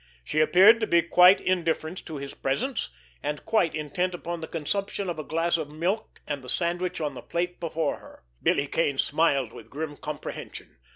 She appeared to be quite indifferent to his presence, and quite intent upon the consumption of a glass of milk and the sandwich on the plate before her. Billy Kane smiled with grim comprehension.